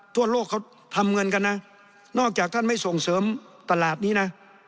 ทั่วโลกเขาทำเงินกันนะนอกจากท่านไม่ส่งเสริมตลาดนี้นะ